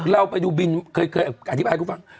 เราไปดูบินเคยอธิบายกูฟัง